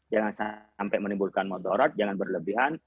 jangan sampai menimbulkan mudarat jangan berlebihan